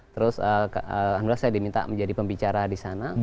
terus alhamdulillah saya diminta menjadi pembicara di sana